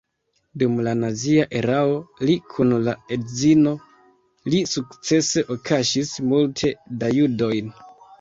Dum la nazia erao li kun la edzino li sukcese kaŝis multe da judojn.